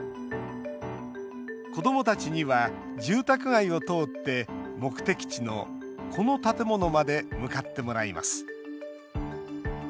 子どもたちには住宅街を通って目的地のこの建物まで向かってもらいます。